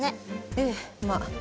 ええまあ。